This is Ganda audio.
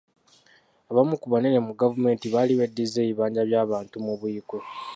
Abamu ku banene mu gavumenti baali beddiza ebibanja by'abantu mu Buikwe.